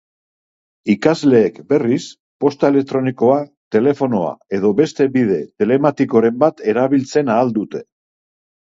Ikasleek, berriz, posta elektronikoa, telefonoa edo beste bide telematikoren bat erabiltzen ahal dute.